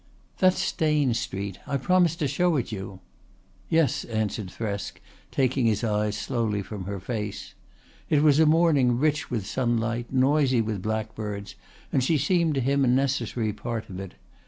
"That's Stane Street. I promised to show it you." "Yes," answered Thresk, taking his eyes slowly from her face. It was a morning rich with sunlight, noisy with blackbirds, and she seemed to him a necessary part of it.